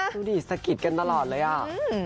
ดูดิสะกิดกันตลอดเลยอ่ะ